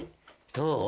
どう？